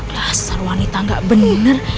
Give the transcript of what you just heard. rasar wanita gak bener